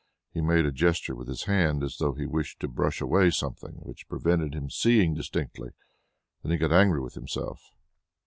He made a gesture with his hand, as though he wished to brush away something which prevented him seeing distinctly; then he got angry with himself.